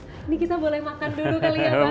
ini kita boleh makan dulu kali ya pak